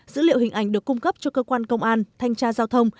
dữ liệu hình ảnh được cung cấp cho cơ quan công an thanh tra giao thông